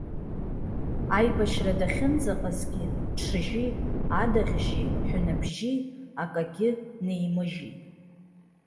Аибашьра дахьынӡаҟазгьы ҽжьи, адаӷьжьи, ҳәынаԥжьи акагьы нимыжьит.